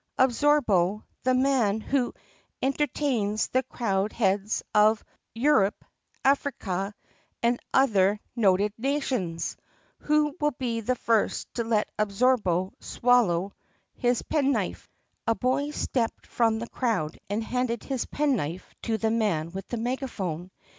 Absorbo — the man who en tuh tains the crowned heads o' Yur rup, Af a rika, an' othuh noted nations! Who'll be the first to let Absorbo swaller his penknife?" A boy stepped from the crowd and handed his penknife to the man with the megaphone.